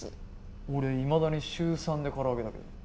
俺はいまだに週３で空揚げだけど。